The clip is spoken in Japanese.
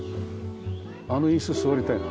あの椅子座りたいな。